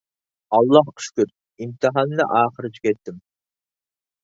ئاللاھقا شۈكرى. ئىمتىھاننى ئاخىرى تۈگەتتىم.